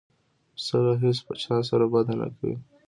پسه له هیڅ چا سره بد نه کوي.